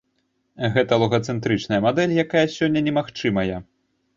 Гэта логацэнтрычная мадэль, якая сёння немагчымая.